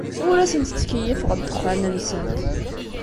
Ur asent-ttkeyyifeɣ ddexxan-nsent.